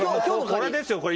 これですよこれ。